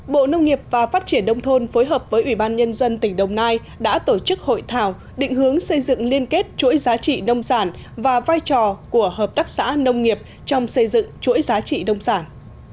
bộ nông nghiệp và phát triển đông thôn phối hợp với ủy ban nhân dân tỉnh đồng nai đã tổ chức hội thảo định hướng xây dựng liên kết chuỗi giá trị nông sản và vai trò của hợp tác xã nông nghiệp trong xây dựng chuỗi giá trị nông sản